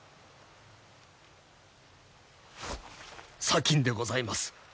砂金でございます。